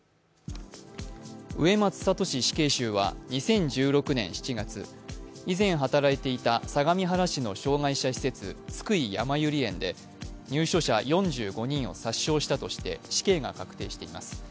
植松聖死刑囚は２０１６年７月、以前働いていた相模原市の障害者施設津久井やまゆり園で入所者４５人を殺傷したとして死刑が確定しています。